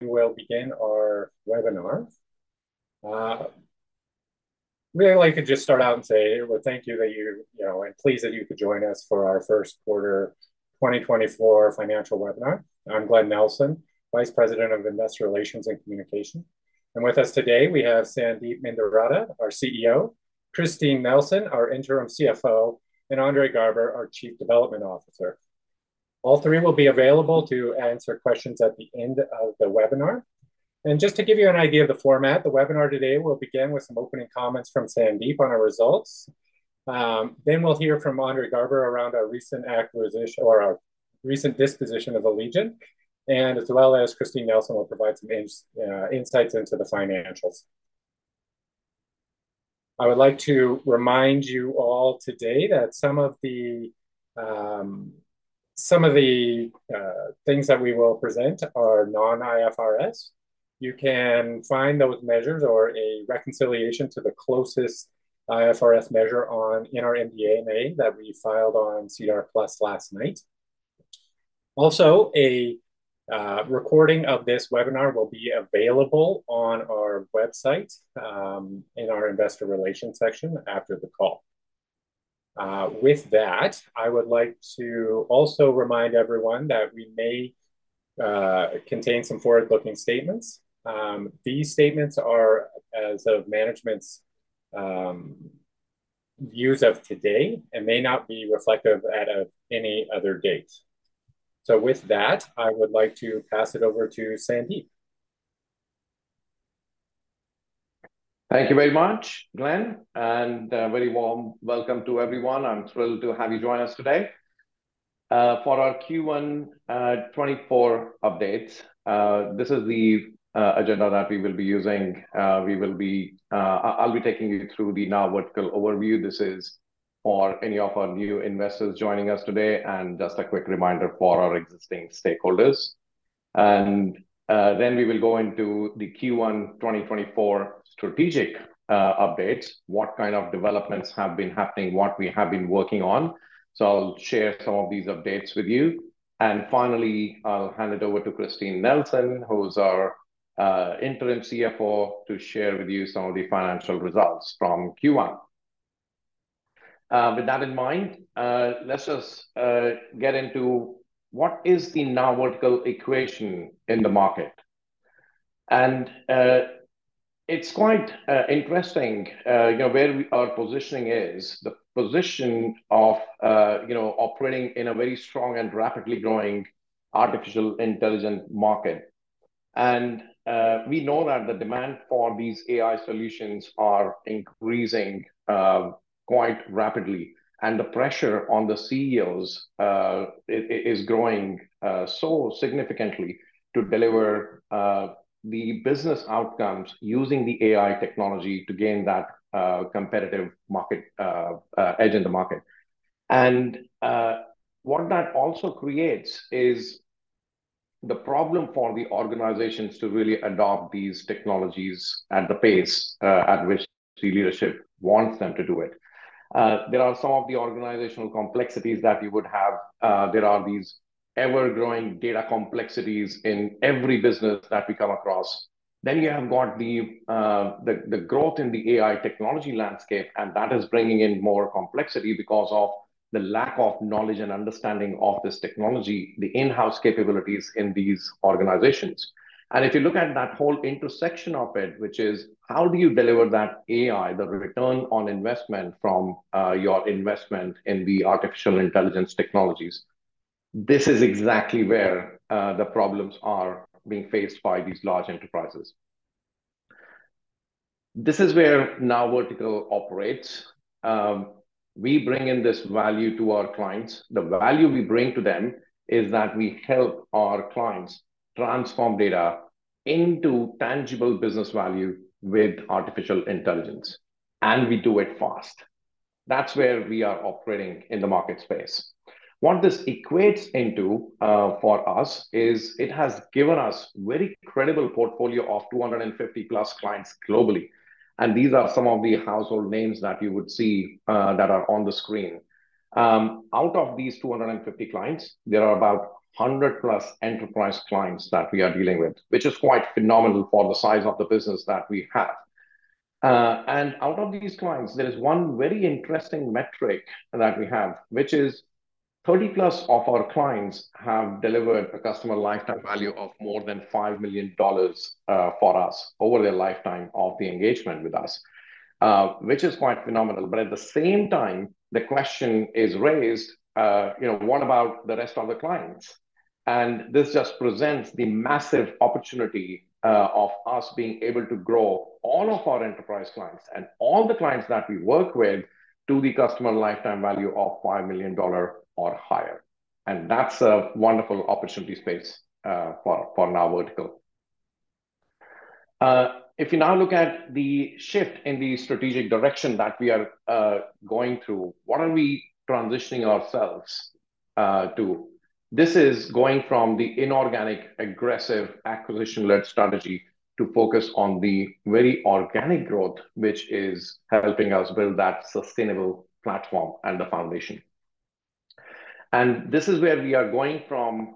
We will begin our webinar. Really, I could just start out and say, well, thank you that you-- you know, I'm pleased that you could join us for our first quarter 2024 financial webinar. I'm Glen Nelson, Vice President of Investor Relations and Communication. With us today we have Sandeep Mendiratta, our CEO, Christine Nelson, our Interim CFO, and Andre Garber, our Chief Development Officer. All three will be available to answer questions at the end of the webinar. Just to give you an idea of the format, the webinar today will begin with some opening comments from Sandeep on our results. Then we'll hear from Andre Garber around our recent acquisition-- or our recent disposition of Allegient, and as well as Christine Nelson will provide some insights into the financials. I would like to remind you all today that some of the things that we will present are non-IFRS. You can find those measures or a reconciliation to the closest IFRS measure on our MD&A that we filed on SEDAR+ last night. Also, a recording of this webinar will be available on our website in our Investor Relations section after the call. With that, I would like to also remind everyone that we may contain some forward-looking statements. These statements are as of management's views of today and may not be reflective as of any other date. So with that, I would like to pass it over to Sandeep. Thank you very much, Glen, and a very warm welcome to everyone. I'm thrilled to have you join us today. For our Q1 2024 updates, this is the agenda that we will be using. I'll be taking you through the NowVertical overview. This is for any of our new investors joining us today, and just a quick reminder for our existing stakeholders. Then we will go into the Q1 2024 strategic updates, what kind of developments have been happening, what we have been working on. So I'll share some of these updates with you. Finally, I'll hand it over to Christine Nelson, who's our Interim CFO, to share with you some of the financial results from Q1. With that in mind, let's just get into what is the NowVertical equation in the market? And it's quite interesting, you know, where our positioning is, the position of, you know, operating in a very strong and rapidly growing artificial intelligence market. And we know that the demand for these AI solutions are increasing quite rapidly, and the pressure on the CEOs is growing so significantly to deliver the business outcomes using the AI technology to gain that competitive market edge in the market. And what that also creates is the problem for the organizations to really adopt these technologies at the pace at which the leadership wants them to do it. There are some of the organizational complexities that we would have. There are these ever-growing data complexities in every business that we come across. Then you have got the growth in the AI technology landscape, and that is bringing in more complexity because of the lack of knowledge and understanding of this technology, the in-house capabilities in these organizations. And if you look at that whole intersection of it, which is: how do you deliver that AI, the return on investment from your investment in the artificial intelligence technologies? This is exactly where the problems are being faced by these large enterprises. This is where NowVertical operates. We bring in this value to our clients. The value we bring to them is that we help our clients transform data into tangible business value with artificial intelligence, and we do it fast. That's where we are operating in the market space. What this equates into, for us, is it has given us very incredible portfolio of 250+ clients globally, and these are some of the household names that you would see that are on the screen. Out of these 250 clients, there are about 100+ enterprise clients that we are dealing with, which is quite phenomenal for the size of the business that we have. And out of these clients, there is one very interesting metric that we have, which is 30+ of our clients have delivered a customer lifetime value of more than $5 million for us over their lifetime of the engagement with us, which is quite phenomenal. But at the same time, the question is raised, you know, what about the rest of the clients? This just presents the massive opportunity of us being able to grow all of our enterprise clients and all the clients that we work with to the customer lifetime value of $5 million or higher. That's a wonderful opportunity space for NowVertical. If you now look at the shift in the strategic direction that we are going through, what are we transitioning ourselves to? This is going from the inorganic, aggressive, acquisition-led strategy to focus on the very organic growth, which is helping us build that sustainable platform and the foundation. This is where we are going from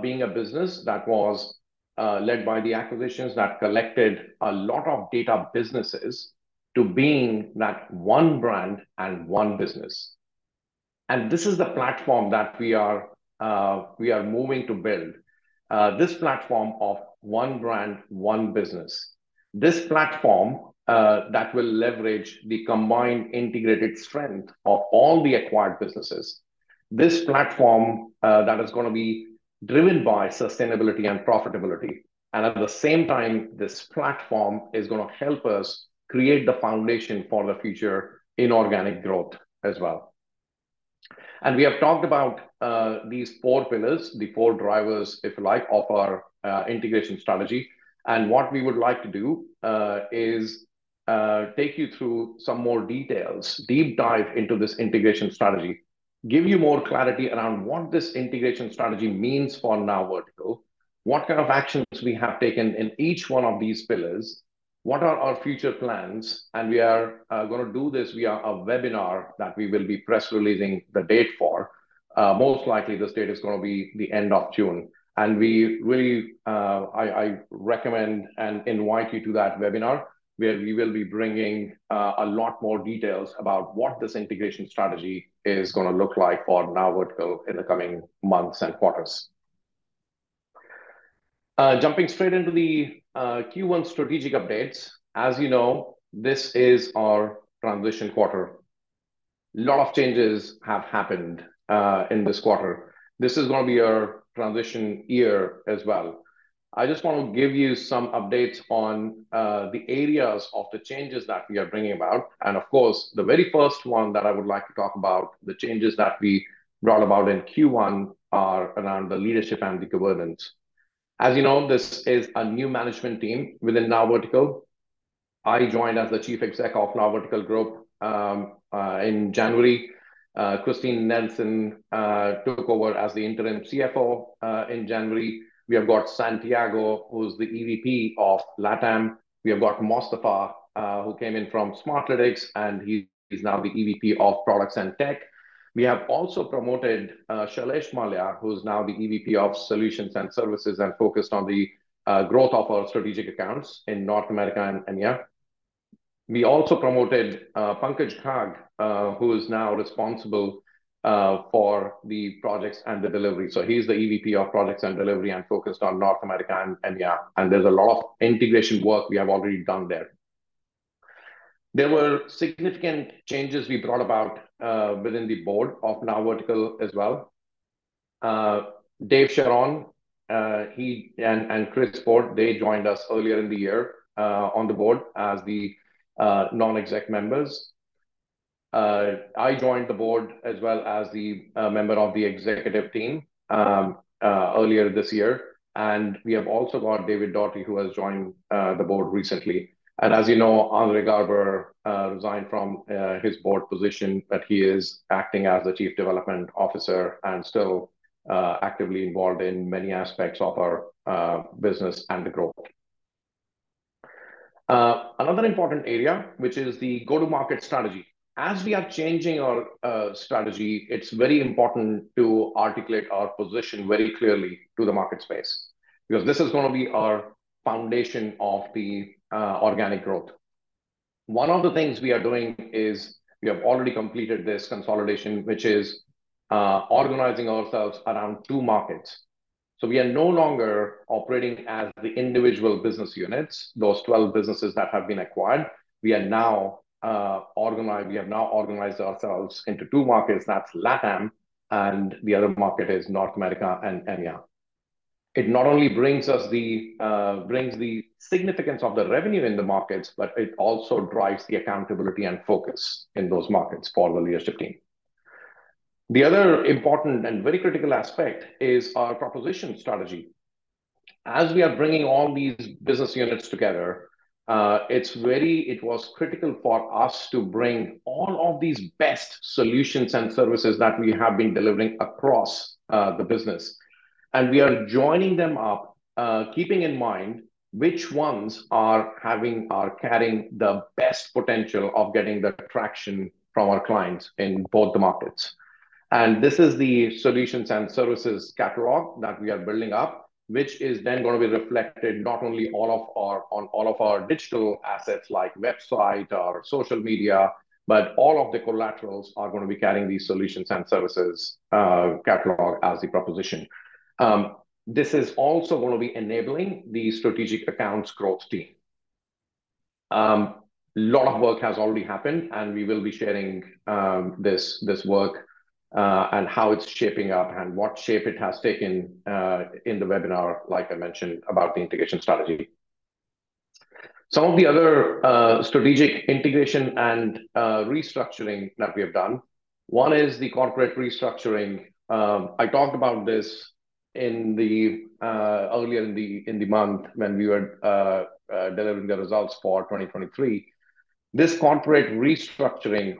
being a business that was led by the acquisitions that collected a lot of data businesses, to being that One brand and One business. This is the platform that we are moving to build. This platform of One brand, One business. This platform, that will leverage the combined integrated strength of all the acquired businesses. This platform, that is gonna be driven by sustainability and profitability. And at the same time, this platform is gonna help us create the foundation for the future inorganic growth as well. And we have talked about, these four pillars, the four drivers, if you like, of our, integration strategy. And what we would like to do, is, take you through some more details, deep dive into this integration strategy. Give you more clarity around what this integration strategy means for NowVertical, what kind of actions we have taken in each one of these pillars, what are our future plans? And we are, gonna do this via a webinar that we will be press releasing the date for. Most likely, this date is gonna be the end of June. And we really. I recommend and invite you to that webinar, where we will be bringing a lot more details about what this integration strategy is gonna look like for NowVertical in the coming months and quarters. Jumping straight into the Q1 strategic updates. As you know, this is our transition quarter. A lot of changes have happened in this quarter. This is gonna be a transition year as well. I just want to give you some updates on the areas of the changes that we are bringing about. And of course, the very first one that I would like to talk about, the changes that we brought about in Q1, are around the leadership and the governance. As you know, this is a new management team within NowVertical. I joined as the Chief Exec of NowVertical Group in January. Christine Nelson took over as the Interim CFO in January. We have got Santiago, who's the EVP of LATAM. We have got Mostafa, who came in from Smartlytics, and he is now the EVP of Products and Tech. We have also promoted Shailesh Mallya, who's now the EVP of Solutions and Services, and focused on the growth of our strategic accounts in North America and EMEA. We also promoted Pankaj Ghag, who is now responsible for the projects and the delivery. So he's the EVP of Products and Delivery, and focused on North America and EMEA, and there's a lot of integration work we have already done there. There were significant changes we brought about within the board of NowVertical as well. Dave Charron and Chris Ford, they joined us earlier in the year on the board as the non-exec members. I joined the board as well as the member of the executive team earlier this year, and we have also got David Doritty, who has joined the board recently. As you know, Andre Garber resigned from his board position, but he is acting as the Chief Development Officer and still actively involved in many aspects of our business and the growth. Another important area, which is the go-to-market strategy. As we are changing our strategy, it's very important to articulate our position very clearly to the market space, because this is gonna be our foundation of the organic growth. One of the things we are doing is we have already completed this consolidation, which is organizing ourselves around two markets. So we are no longer operating as the individual business units, those 12 businesses that have been acquired. We are now organized. We have now organized ourselves into two markets: that's LATAM, and the other market is North America and EMEA. It not only brings us the significance of the revenue in the markets, but it also drives the accountability and focus in those markets for the leadership team. The other important and very critical aspect is our proposition strategy. As we are bringing all these business units together, it was critical for us to bring all of these best solutions and services that we have been delivering across the business. We are joining them up, keeping in mind which ones are carrying the best potential of getting the traction from our clients in both the markets. This is the solutions and services catalog that we are building up, which is then gonna be reflected not only on all of our digital assets, like website or social media, but all of the collaterals are gonna be carrying these solutions and services catalog as the proposition. This is also gonna be enabling the strategic accounts growth team. A lot of work has already happened, and we will be sharing this, this work, and how it's shaping up and what shape it has taken in the webinar, like I mentioned, about the integration strategy. Some of the other strategic integration and restructuring that we have done, one is the corporate restructuring. I talked about this earlier in the month when we were delivering the results for 2023. This corporate restructuring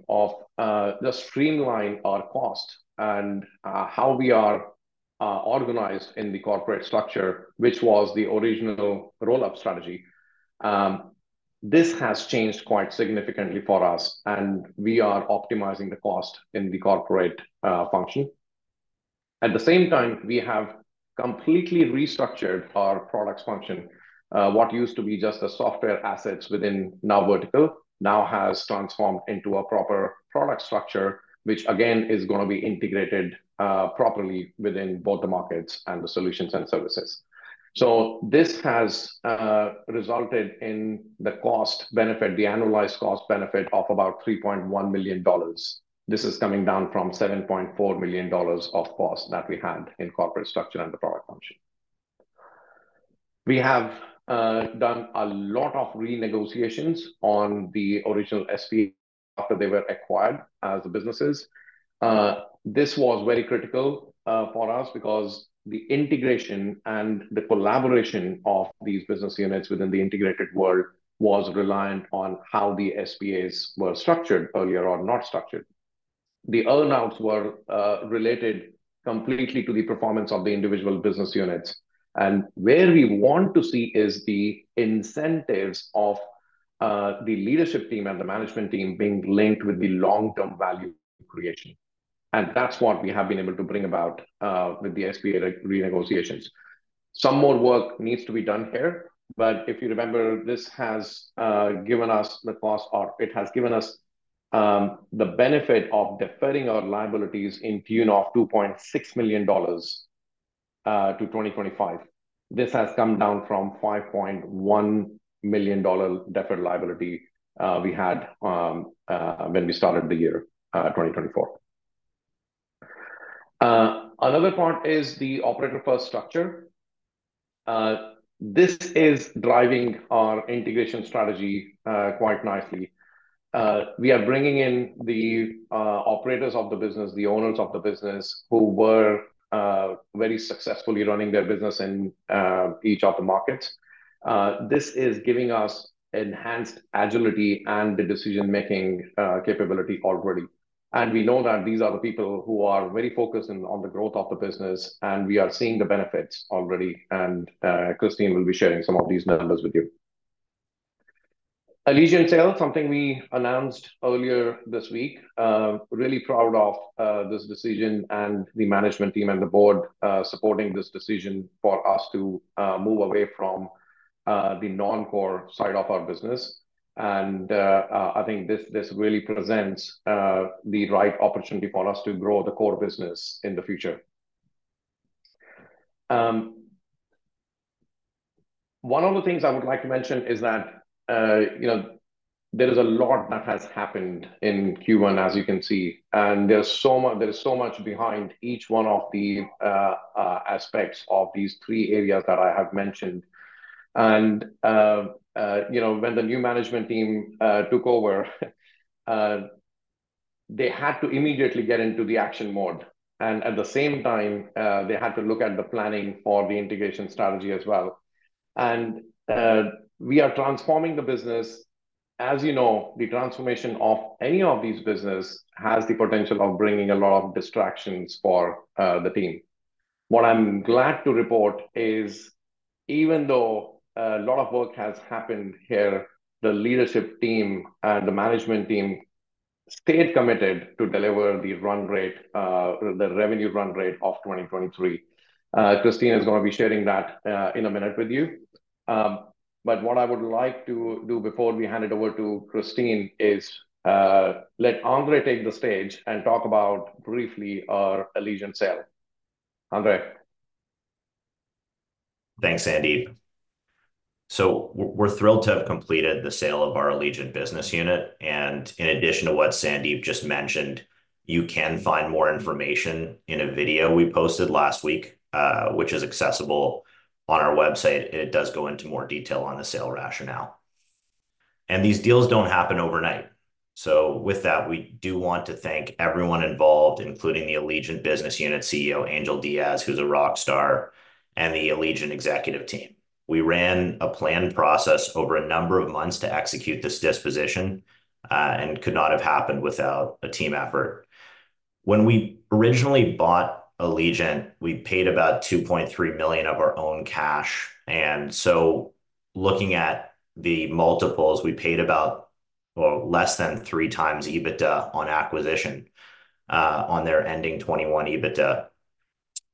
to streamline our costs and how we are organized in the corporate structure, which was the original roll-up strategy. This has changed quite significantly for us, and we are optimizing the costs in the corporate function. At the same time, we have completely restructured our products function. What used to be just the software assets within NowVertical now has transformed into a proper product structure, which again is gonna be integrated properly within both the markets and the solutions and services. So this has resulted in the cost benefit, the analyzed cost benefit of about $3.1 million. This is coming down from $7.4 million of cost that we had in corporate structure and the product function. We have done a lot of renegotiations on the original SPA after they were acquired as businesses. This was very critical for us because the integration and the collaboration of these business units within the integrated world was reliant on how the SPAs were structured earlier or not structured. The earn-outs were related completely to the performance of the individual business units. And where we want to see is the incentives of the leadership team and the management team being linked with the long-term value creation. And that's what we have been able to bring about with the SPA renegotiations. Some more work needs to be done here, but if you remember, this has given us the cost, or it has given us the benefit of deferring our liabilities to the tune of $2.6 million to 2025. This has come down from $5.1 million deferred liability we had when we started the year 2024. Another point is the Operator-First structure. This is driving our integration strategy quite nicely. We are bringing in the operators of the business, the owners of the business, who were very successfully running their business in each of the markets. This is giving us enhanced agility and the decision-making capability already. We know that these are the people who are very focused on the growth of the business, and we are seeing the benefits already, and Christine will be sharing some of these numbers with you. Allegient sale, something we announced earlier this week. Really proud of this decision and the management team and the board supporting this decision for us to move away from the non-core side of our business. I think this really presents the right opportunity for us to grow the core business in the future. One of the things I would like to mention is that, you know, there is a lot that has happened in Q1, as you can see, and there is so much behind each one of the aspects of these three areas that I have mentioned. And, you know, when the new management team took over, they had to immediately get into the action mode. And at the same time, they had to look at the planning for the integration strategy as well. And, we are transforming the business. As you know, the transformation of any of these business has the potential of bringing a lot of distractions for the team. What I'm glad to report is, even though a lot of work has happened here, the leadership team and the management team stayed committed to deliver the run rate, the revenue run rate of 2023. Christine is gonna be sharing that, in a minute with you. But what I would like to do before we hand it over to Christine is, let Andre take the stage and talk about briefly our Allegient sale. Andre? Thanks, Sandeep. So we're thrilled to have completed the sale of our Allegient Defense business unit. And in addition to what Sandeep just mentioned, you can find more information in a video we posted last week, which is accessible on our website. It does go into more detail on the sale rationale. And these deals don't happen overnight. So with that, we do want to thank everyone involved, including the Allegient Defense business unit CEO, Angel Diaz, who's a rock star, and the Allegient Defense executive team. We ran a planned process over a number of months to execute this disposition, and could not have happened without a team effort. When we originally bought Allegient Defense, we paid about $2.3 million of our own cash. And so looking at the multiples, we paid about, well, less than 3x EBITDA on acquisition, on their ending 2021 EBITDA.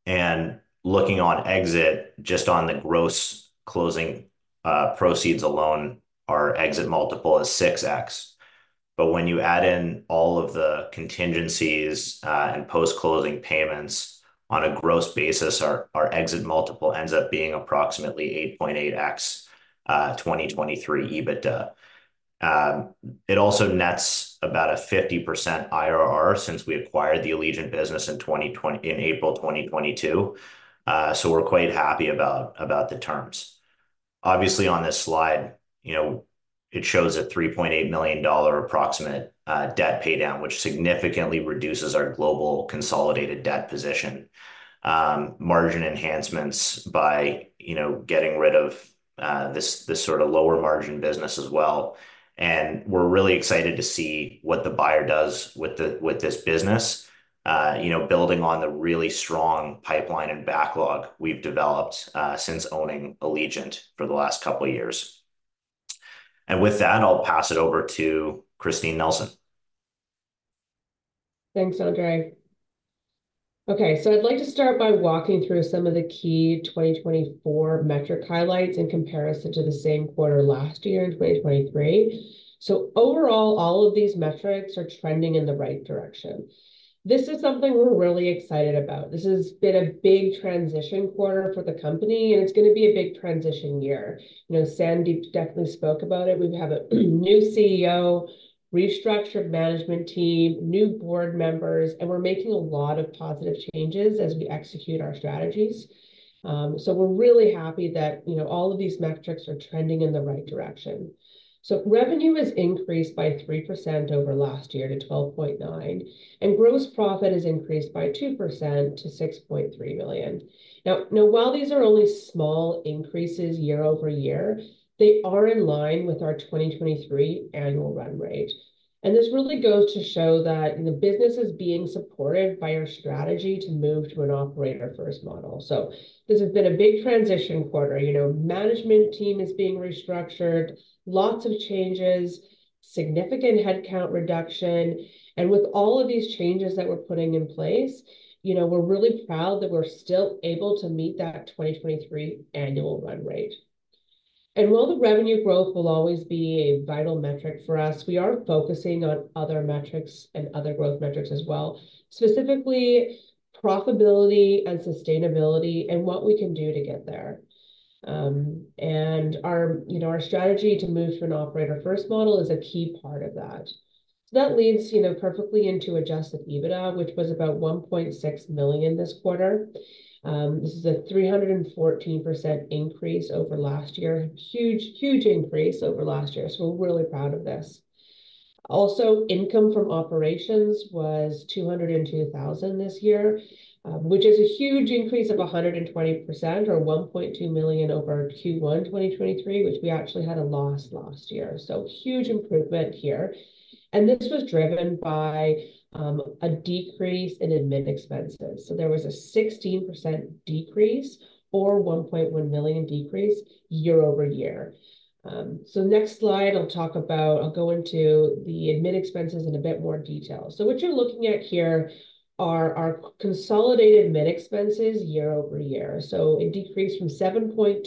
And looking on exit, just on the gross closing proceeds alone, our exit multiple is 6x. But when you add in all of the contingencies and post-closing payments on a gross basis, our exit multiple ends up being approximately 8.8x 2023 EBITDA. It also nets about a 50% IRR since we acquired the Allegient business in April 2022. So we're quite happy about the terms. Obviously, on this slide, you know, it shows a $3.8 million approximate debt paydown, which significantly reduces our global consolidated debt position. Margin enhancements by, you know, getting rid of this sort of lower margin business as well, and we're really excited to see what the buyer does with this business.you know, building on the really strong pipeline and backlog we've developed since owning Allegient for the last couple of years. And with that, I'll pass it over to Christine Nelson. Thanks, Andre. Okay, so I'd like to start by walking through some of the key 2024 metric highlights in comparison to the same quarter last year in 2023. So overall, all of these metrics are trending in the right direction. This is something we're really excited about. This has been a big transition quarter for the company, and it's gonna be a big transition year. You know, Sandeep definitely spoke about it. We have a new CEO, restructured management team, new board members, and we're making a lot of positive changes as we execute our strategies. So we're really happy that, you know, all of these metrics are trending in the right direction. So revenue has increased by 3% over last year to $12.9 million, and gross profit has increased by 2% to $6.3 million. Now, now, while these are only small increases year-over-year, they are in line with our 2023 annual run rate. This really goes to show that the business is being supported by our strategy to move to an operator-first model. This has been a big transition quarter. You know, management team is being restructured, lots of changes, significant headcount reduction, and with all of these changes that we're putting in place, you know, we're really proud that we're still able to meet that 2023 annual run rate. While the revenue growth will always be a vital metric for us, we are focusing on other metrics and other growth metrics as well, specifically profitability and sustainability and what we can do to get there. Our, you know, our strategy to move to an operator-first model is a key part of that. So that leads, you know, perfectly into adjusted EBITDA, which was about $1.6 million this quarter. This is a 314% increase over last year. Huge, huge increase over last year, so we're really proud of this. Also, income from operations was $202,000 this year, which is a huge increase of 120% or $1.2 million over Q1 2023, which we actually had a loss last year. So huge improvement here. And this was driven by a decrease in admin expenses. So there was a 16% decrease or $1.1 million decrease year-over-year. So next slide, I'll talk about. I'll go into the admin expenses in a bit more detail. So what you're looking at here are our consolidated admin expenses year-over-year. It decreased from $7.2 million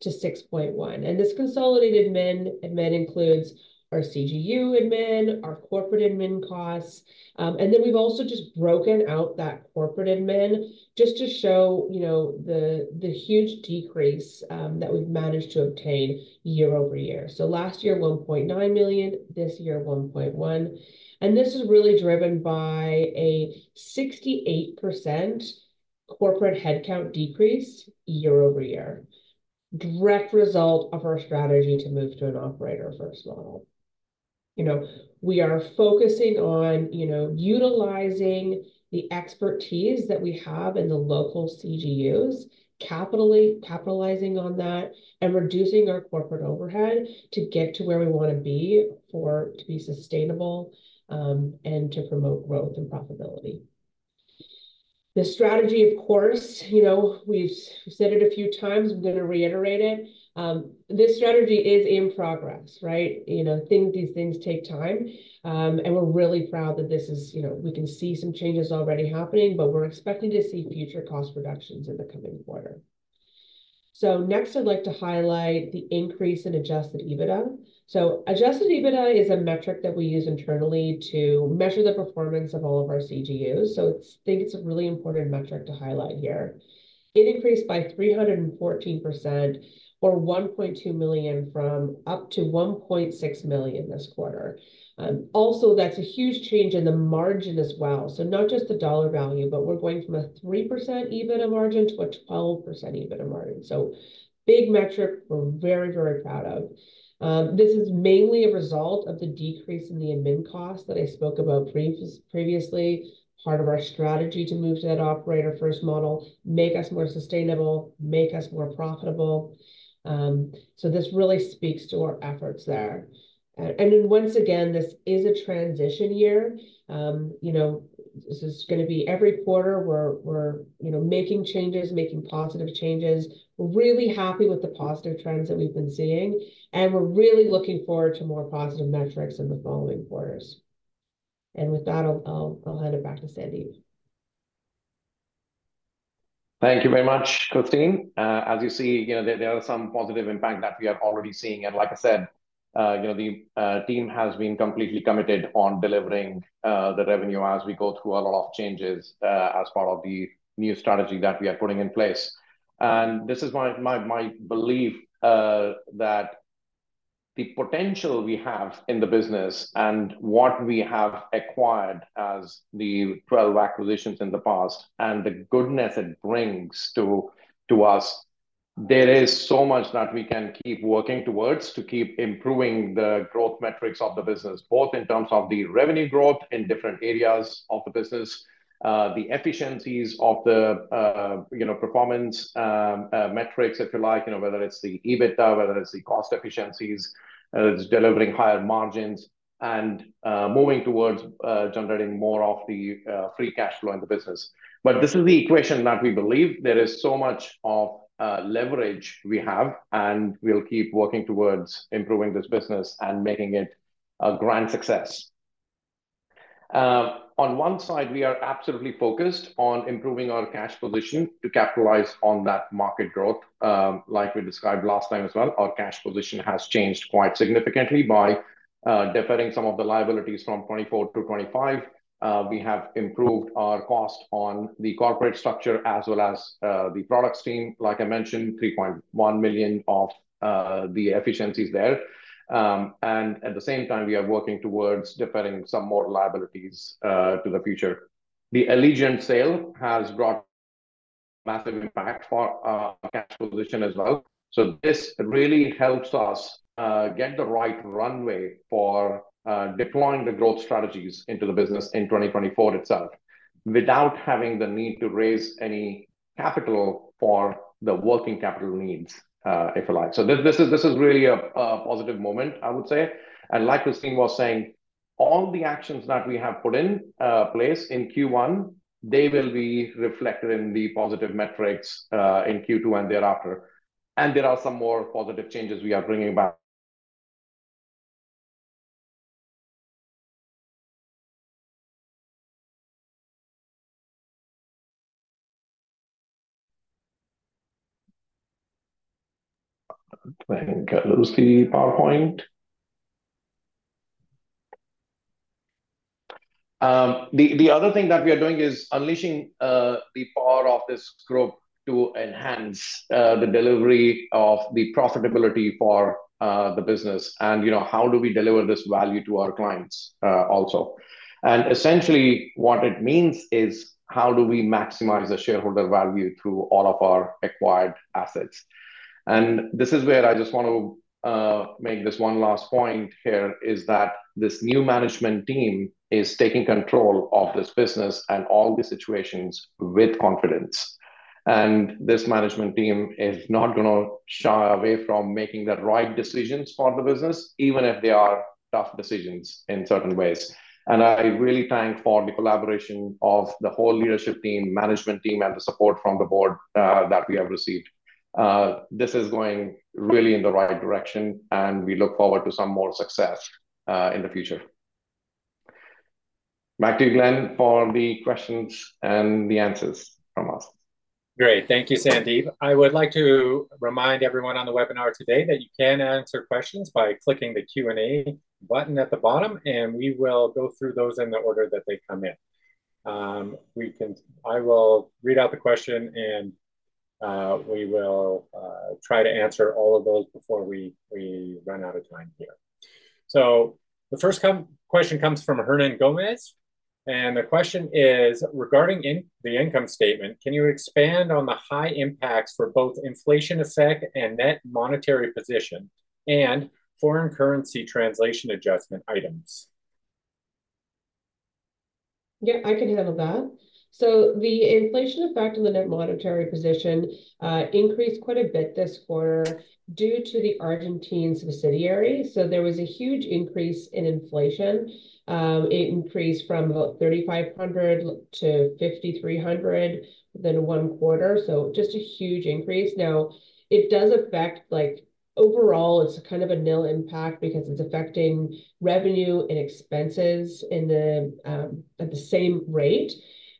to $6.1 million, and this consolidated admin includes our CGU admin, our corporate admin costs. And then we've also just broken out that corporate admin just to show, you know, the huge decrease that we've managed to obtain year-over-year. Last year, $1.9 million, this year, $1.1 million. And this is really driven by a 68% corporate headcount decrease year-over-year. Direct result of our strategy to move to an Operator-First model. You know, we are focusing on, you know, utilizing the expertise that we have in the local CGUs, capitalizing on that and reducing our corporate overhead to get to where we want to be to be sustainable, and to promote growth and profitability. The strategy, of course, you know, we've said it a few times, I'm gonna reiterate it. This strategy is in progress, right? You know, things, these things take time, and we're really proud that this is, you know, we can see some changes already happening, but we're expecting to see future cost reductions in the coming quarter. So next, I'd like to highlight the increase in adjusted EBITDA. So adjusted EBITDA is a metric that we use internally to measure the performance of all of our CGUs, so it's, think it's a really important metric to highlight here. It increased by 314% or $1.2 million from up to $1.6 million this quarter. Also, that's a huge change in the margin as well. So not just the dollar value, but we're going from a 3% EBITDA margin to a 12% EBITDA margin. So big metric we're very, very proud of. This is mainly a result of the decrease in the admin costs that I spoke about previously, part of our strategy to move to that Operator-First model, make us more sustainable, make us more profitable. So this really speaks to our efforts there. And then once again, this is a transition year. You know, this is gonna be every quarter, we're making changes, making positive changes. We're really happy with the positive trends that we've been seeing, and we're really looking forward to more positive metrics in the following quarters. And with that, I'll hand it back to Sandeep. Thank you very much, Christine. As you see, you know, there are some positive impact that we are already seeing. And like I said, you know, the team has been completely committed on delivering the revenue as we go through a lot of changes as part of the new strategy that we are putting in place. And this is my belief that the potential we have in the business and what we have acquired as the 12 acquisitions in the past, and the goodness it brings to us, there is so much that we can keep working towards to keep improving the growth metrics of the business, both in terms of the revenue growth in different areas of the business. The efficiencies of the, you know, performance, metrics, if you like, you know, whether it's the EBITDA, whether it's the cost efficiencies, it's delivering higher margins and, moving towards, generating more of the, free cash flow in the business. But this is the equation that we believe there is so much of, leverage we have, and we'll keep working towards improving this business and making it a grand success. On one side, we are absolutely focused on improving our cash position to capitalize on that market growth. Like we described last time as well, our cash position has changed quite significantly by, deferring some of the liabilities from 2024 to 2025. We have improved our cost on the corporate structure as well as, the products team. Like I mentioned, $3.1 million of the efficiencies there. And at the same time, we are working towards deferring some more liabilities to the future. The Allegient sale has brought massive impact for our cash position as well. So this really helps us get the right runway for deploying the growth strategies into the business in 2024 itself, without having the need to raise any capital for the working capital needs, if you like. So this, this is, this is really a, a positive moment, I would say. And like Christine was saying, all the actions that we have put in place in Q1, they will be reflected in the positive metrics in Q2 and thereafter. And there are some more positive changes we are bringing back. I think that was the PowerPoint. The other thing that we are doing is unleashing the power of this group to enhance the delivery of the profitability for the business. And, you know, how do we deliver this value to our clients also? And essentially, what it means is, how do we maximize the shareholder value through all of our acquired assets? And this is where I just want to make this one last point here, is that this new management team is taking control of this business and all the situations with confidence. And this management team is not gonna shy away from making the right decisions for the business, even if they are tough decisions in certain ways. And I really thank for the collaboration of the whole leadership team, management team, and the support from the board that we have received. This is going really in the right direction, and we look forward to some more success, in the future. Back to you, Glen, for the questions and the answers from us. Great. Thank you, Sandeep. I would like to remind everyone on the webinar today that you can answer questions by clicking the Q&A button at the bottom, and we will go through those in the order that they come in. I will read out the question, and we will try to answer all of those before we run out of time here. So the first question comes from Hernan Gomez, and the question is: "Regarding the income statement, can you expand on the high impacts for both inflation effect and net monetary position, and foreign currency translation adjustment items?" Yeah, I can handle that. So the inflation effect on the net monetary position increased quite a bit this quarter due to the Argentine subsidiary. So there was a huge increase in inflation. It increased from about 3,500 to 5,300 than one quarter. So just a huge increase. Now, it does affect, like, overall, it's kind of a nil impact because it's affecting revenue and expenses in the at the same rate.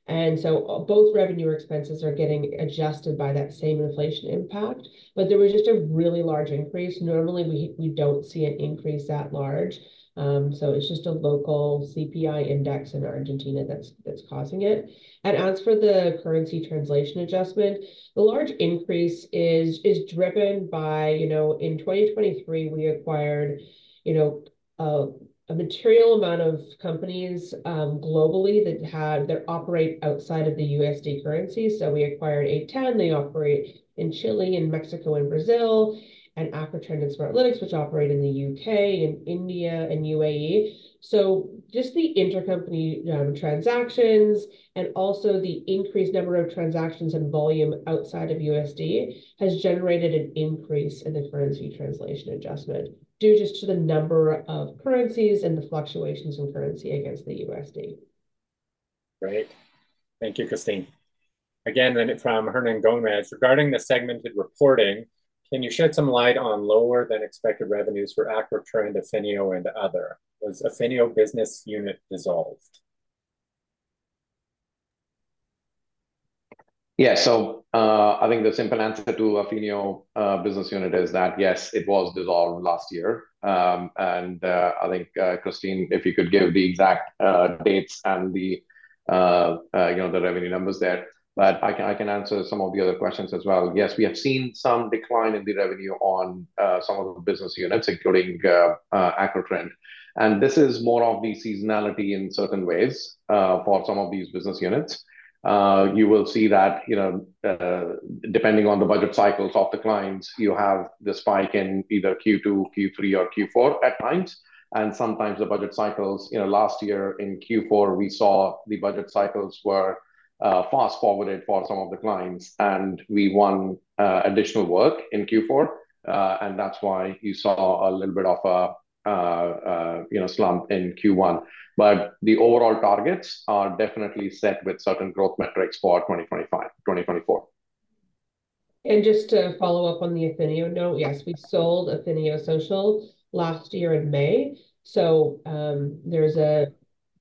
And so both revenue expenses are getting adjusted by that same inflation impact, but there was just a really large increase. Normally, we don't see an increase that large. So it's just a local CPI index in Argentina that's causing it. And as for the currency translation adjustment, the large increase is, is driven by, you know, in 2023, we acquired, you know, a material amount of companies, globally that had-- that operate outside of the USD currency. So we acquired A10. They operate in Chile, and Mexico, and Brazil, and Acrotrend and Smartlytics, which operate in the U.K., and India, and U.A.E.. So just the intercompany, transactions and also the increased number of transactions and volume outside of USD, has generated an increase in the currency translation adjustment, due just to the number of currencies and the fluctuations in currency against the USD. Great. Thank you, Christine. Again, then from Hernan Gomez: "Regarding the segmented reporting, can you shed some light on lower-than-expected revenues for Acrotrend, Affinio, and other? Was Affinio business unit dissolved?" Yeah, so, I think the simple answer to Affinio business unit is that, yes, it was dissolved last year. And, I think, Christine, if you could give the exact dates and the, you know, the revenue numbers there. But I can answer some of the other questions as well. Yes, we have seen some decline in the revenue on some of the business units, including Acrotrend. And this is more of the seasonality in certain ways, for some of these business units. You will see that, you know, depending on the budget cycles of the clients, you have the spike in either Q2, Q3, or Q4 at times. Sometimes the budget cycles, you know, last year in Q4, we saw the budget cycles were fast-forwarded for some of the clients, and we won additional work in Q4. And that's why you saw a little bit of a, you know, slump in Q1. But the overall targets are definitely set with certain growth metrics for 2025-- 2024. Just to follow up on the Affinio note, yes, we sold Affinio Social last year in May. So,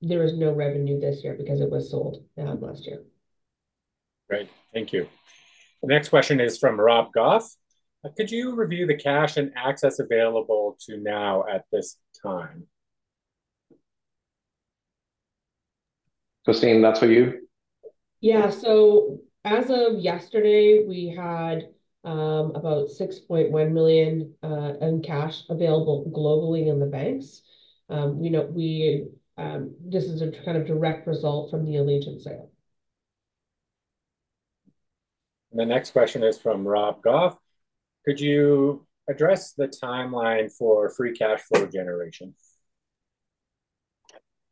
there is no revenue this year because it was sold last year. Great, thank you. The next question is from Rob Goff: "Could you review the cash and access available to now at this time?" Christine, that's for you. Yeah. So as of yesterday, we had about $6.1 million in cash available globally in the banks. You know, we, this is a kind of direct result from the Allegient sale. The next question is from Rob Goff: "Could you address the timeline for free cash flow generation?"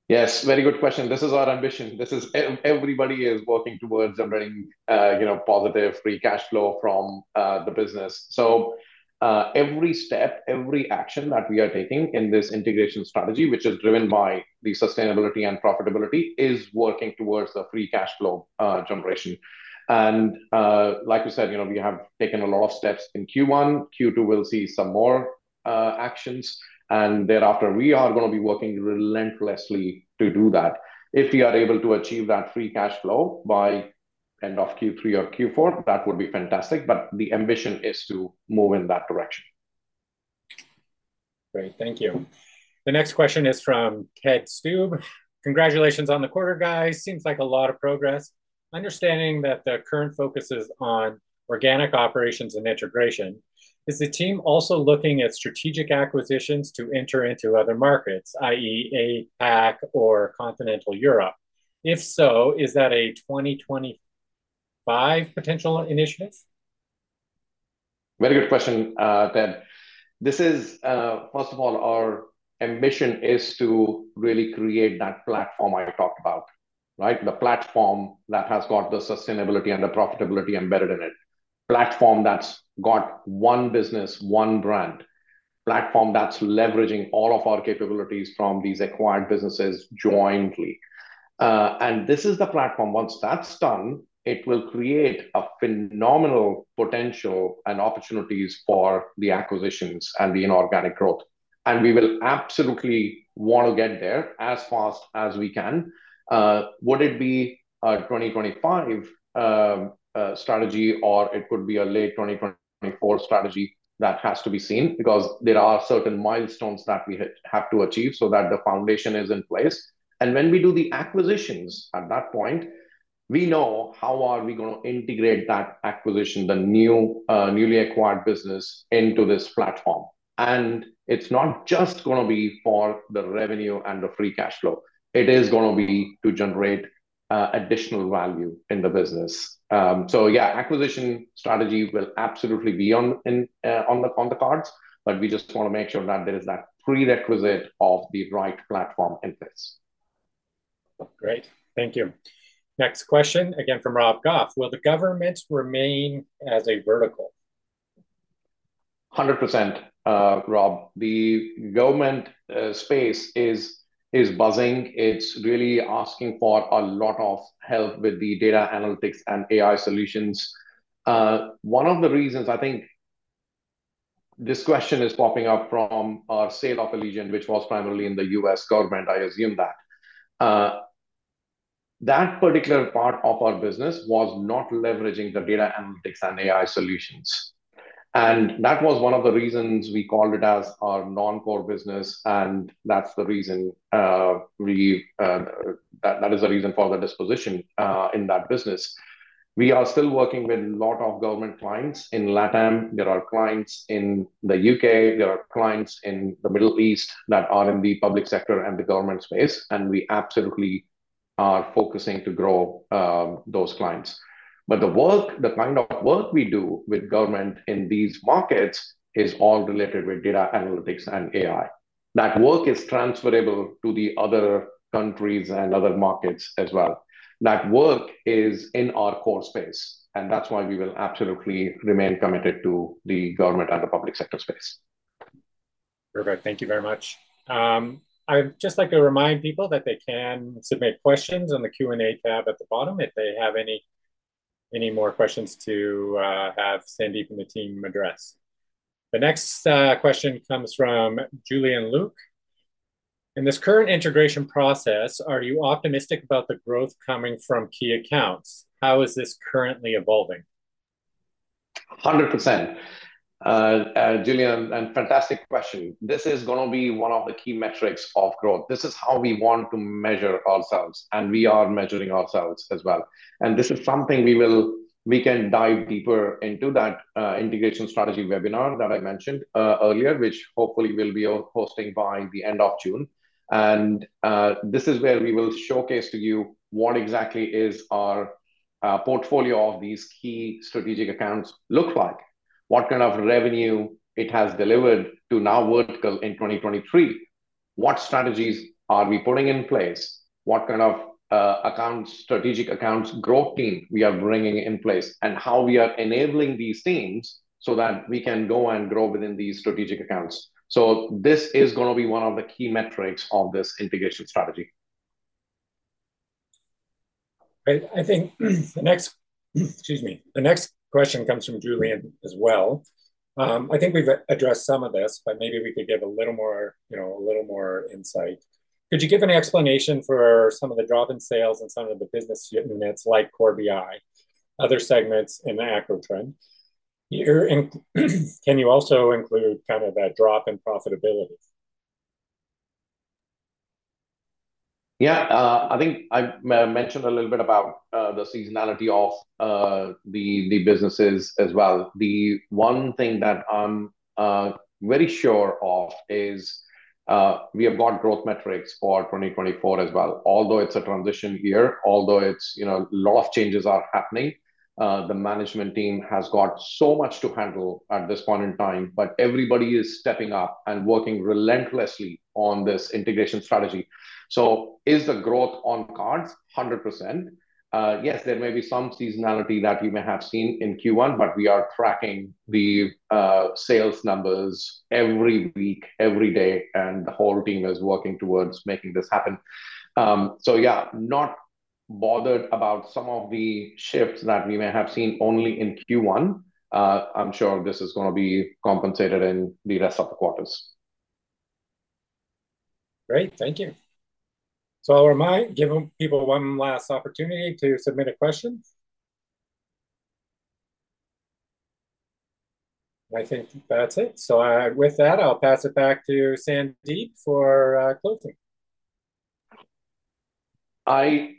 Yes, very good question. This is our ambition. Everybody is working towards generating, you know, positive free cash flow from the business. So, every step, every action that we are taking in this integration strategy, which is driven by the sustainability and profitability, is working towards a free cash flow generation. And, like we said, you know, we have taken a lot of steps in Q1. Q2, we'll see some more actions, and thereafter, we are gonna be working relentlessly to do that. If we are able to achieve that free cash flow by end of Q3 or Q4, that would be fantastic, but the ambition is to move in that direction. Great, thank you. The next question is from Ted Stubbe: "Congratulations on the quarter, guys. Seems like a lot of progress. Understanding that the current focus is on organic operations and integration, is the team also looking at strategic acquisitions to enter into other markets, i.e., APAC or Continental Europe? If so, is that a 2025 potential initiative?" Very good question, Ted. This is, first of all, our ambition is to really create that platform I talked about, right? The platform that has got the sustainability and the profitability embedded in it. Platform that's got One business, One brand. Platform that's leveraging all of our capabilities from these acquired businesses jointly. And this is the platform, once that's done, it will create a phenomenal potential and opportunities for the acquisitions and the inorganic growth. And we will absolutely want to get there as fast as we can. Would it be a 2025 strategy, or it could be a late 2024 strategy? That has to be seen, because there are certain milestones that we have to achieve so that the foundation is in place. When we do the acquisitions, at that point, we know how are we gonna integrate that acquisition, the new, newly acquired business, into this platform. It's not just gonna be for the revenue and the free cash flow, it is gonna be to generate additional value in the business. So yeah, acquisition strategy will absolutely be on the cards, but we just want to make sure that there is that prerequisite of the right platform in place. Great, thank you. Next question, again from Rob Goff: "Will the government remain as a vertical?" 100%, Rob. The government space is buzzing. It's really asking for a lot of help with the data analytics and AI solutions. One of the reasons I think this question is popping up from our sale of Allegient, which was primarily in the U.S. government, I assume that. That particular part of our business was not leveraging the data analytics and AI solutions, and that was one of the reasons we called it as our non-core business, and that's the reason. That is the reason for the disposition in that business. We are still working with a lot of government clients. In LATAM, there are clients. In the U.K., there are clients. In the Middle East, that are in the public sector and the government space, and we absolutely are focusing to grow those clients. But the work, the kind of work we do with government in these markets is all related with data analytics and AI. That work is transferable to the other countries and other markets as well. That work is in our core space, and that's why we will absolutely remain committed to the government and the public sector space. Very good. Thank you very much. I'd just like to remind people that they can submit questions on the Q&A tab at the bottom if they have any, any more questions to have Sandeep and the team address. The next question comes from Julian Luke: "In this current integration process, are you optimistic about the growth coming from key accounts? How is this currently evolving?" 100%, Julian, and fantastic question. This is gonna be one of the key metrics of growth. This is how we want to measure ourselves, and we are measuring ourselves as well. This is something we can dive deeper into that integration strategy webinar that I mentioned earlier, which hopefully we'll be hosting by the end of June. This is where we will showcase to you what exactly is our portfolio of these key strategic accounts look like? What kind of revenue it has delivered to NowVertical in 2023? What strategies are we putting in place? What kind of accounts, strategic accounts growth team we are bringing in place, and how we are enabling these teams so that we can go and grow within these strategic accounts. This is gonna be one of the key metrics of this integration strategy. I think the next. Excuse me. The next question comes from Julian as well. I think we've addressed some of this, but maybe we could give a little more, you know, a little more insight. Could you give an explanation for some of the drop in sales and some of the business units, like CoreBI, other segments in the Acrotrend year, and can you also include kind of that drop in profitability? Yeah, I think I mentioned a little bit about the seasonality of the businesses as well. The one thing that I'm very sure of is we have got growth metrics for 2024 as well. Although it's a transition year, although it's, you know, a lot of changes are happening, the management team has got so much to handle at this point in time, but everybody is stepping up and working relentlessly on this integration strategy. So is the growth on cards? 100%. Yes, there may be some seasonality that you may have seen in Q1, but we are tracking the sales numbers every week, every day, and the whole team is working towards making this happen. So yeah, not bothered about some of the shifts that we may have seen only in Q1.I'm sure this is gonna be compensated in the rest of the quarters. Great, thank you. So I'll remind, giving people one last opportunity to submit a question. I think that's it. So, with that, I'll pass it back to Sandeep for closing. I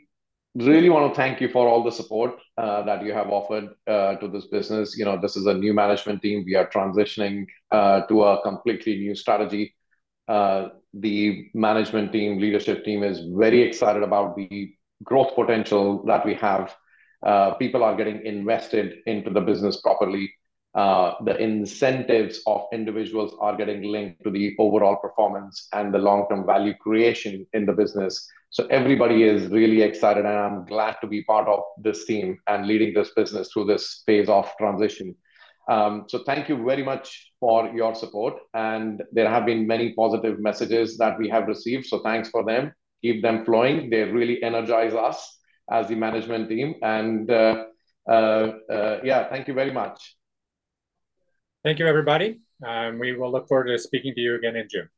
really want to thank you for all the support that you have offered to this business. You know, this is a new management team. We are transitioning to a completely new strategy. The management team, leadership team, is very excited about the growth potential that we have. People are getting invested into the business properly. The incentives of individuals are getting linked to the overall performance and the long-term value creation in the business. So everybody is really excited, and I'm glad to be part of this team and leading this business through this phase of transition. So thank you very much for your support, and there have been many positive messages that we have received, so thanks for them. Keep them flowing. They really energize us as the management team, and yeah, thank you very much. Thank you, everybody, and we will look forward to speaking to you again in June.